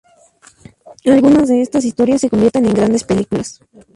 Algunas de estas historias se convierten en grandes películas.